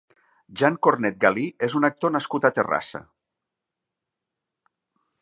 Jan Cornet Galí és un actor nascut a Terrassa.